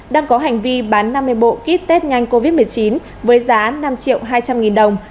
đang có hành vi bán năm mươi bộ kit test nhanh covid một mươi chín với giá năm triệu hai trăm linh nghìn đồng